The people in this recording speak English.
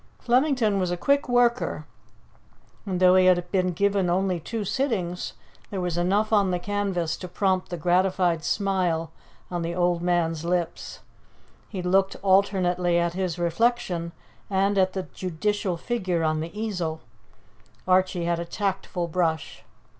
Flemington was a quick worker, and though he had been given only two sittings, there was enough on the canvas to prompt the gratified smile on the old man's lips. He looked alternately at his reflection and at the judicial figure on the easel; Archie had a tactful brush.